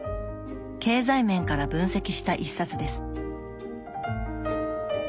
経済面から分析した一冊です。